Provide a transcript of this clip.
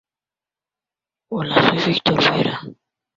Fue creado por el escritor Chris Claremont y el dibujante John Byrne.